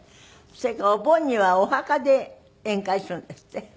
それからお盆にはお墓で宴会するんですって？